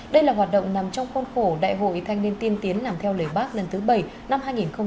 đây là hoạt động nằm trong khuôn khổ đại hội thanh niên tiên tiến làm theo lời bác lần thứ bảy năm hai nghìn hai mươi